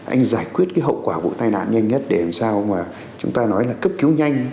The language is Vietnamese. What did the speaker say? anh giải quyết cái hậu quả vụ tai nạn nhanh nhất để làm sao mà chúng ta nói là cấp cứu nhanh